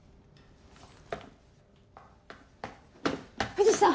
藤さん！